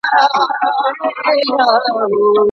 ولي لېواله انسان د مخکښ سړي په پرتله ژر بریالی کېږي؟